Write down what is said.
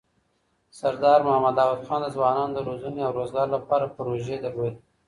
سردار محمد داود خان د ځوانانو د روزنې او روزګار لپاره پروژې درلودې.